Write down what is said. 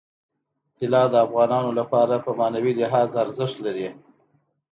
طلا د افغانانو لپاره په معنوي لحاظ ارزښت لري.